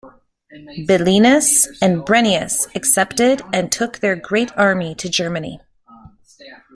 Belinus and Brennius accepted and took their great army to Germany.